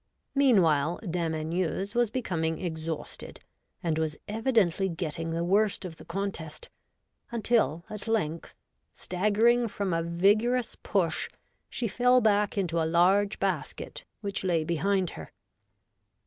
Meanwhile, Dame Anieuse was becoming exhausted, and was evidently getting the worst of the contest, until at length, staggering from a vigorous push, she fell back into a large basket which lay behind her.